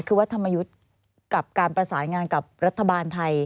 คือวัดธรรมยุทธ์กับการประสานงานกับรัฐบาลไทย